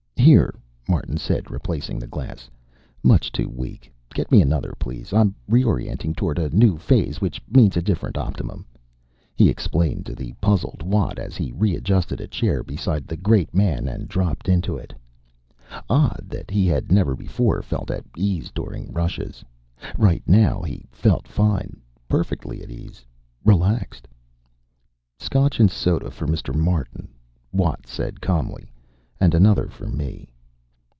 "Here," Martin said, replacing the glass. "Much too weak. Get me another, please. I'm reorienting toward a new phase, which means a different optimum," he explained to the puzzled Watt as he readjusted a chair beside the great man and dropped into it. Odd that he had never before felt at ease during rushes. Right now he felt fine. Perfectly at ease. Relaxed. "Scotch and soda for Mr. Martin," Watt said calmly. "And another for me."